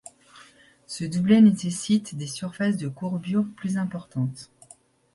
Ce doublet nécessite des surfaces de courbure plus importantes.